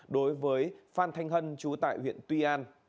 đối với phan thanh hân chú tại huyện tuy an